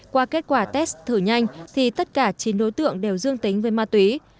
qua kết quả test thử nhanh thì tất cả chín đối tượng đều dương tính với ma túy